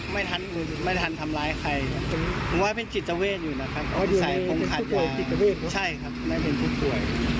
ไม่ทันไม่ทันทำลายใครผมว่าเป็นกิจเจ้าเวทย์อยู่นะครับใช่ครับไม่เป็นทุกป่วย